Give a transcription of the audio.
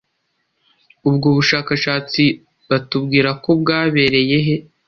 Ubwo bushakashatsi batubwirako bwabereye he?